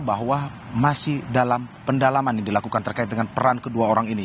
bahwa masih dalam pendalaman yang dilakukan terkait dengan peran kedua orang ini